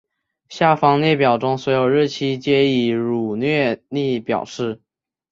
下方列表中所有日期皆以儒略历表示。